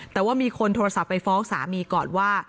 แต่ว่ามีคนโทรศัพท์ไปฟ้องสามีก่อนว่า